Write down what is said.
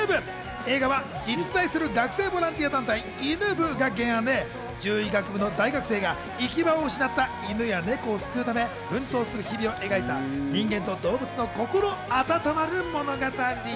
映画は実在する学生ボランティア団体、犬部が原案で獣医学部の大学生が行き場を失った犬や猫を救うため、奮闘する日々を描いた人間と動物の心温まる物語。